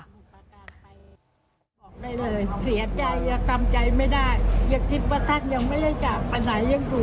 ก็เกลียดใจมากยังชอบอยู่